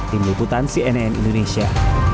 tim liputan cnn indonesia